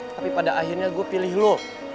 tapi pada akhirnya gue pilih lo